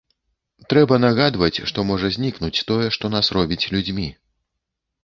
Трэба нагадваць, што можа знікнуць тое, што нас робіць людзьмі.